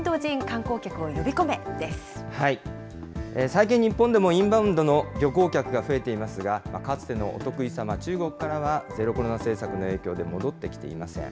最近、日本でもインバウンドの旅行客が増えていますが、かつてのお得意様、中国からは、ゼロコロナ政策の影響で戻ってきていません。